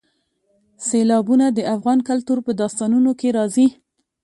سیلابونه د افغان کلتور په داستانونو کې راځي.